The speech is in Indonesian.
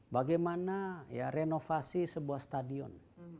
bagaimana renovasi sebuah stadion